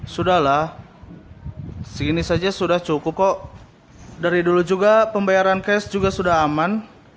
sudahlah segini saja sudah cukup kok dari dulu juga pembayaran cash juga sudah aman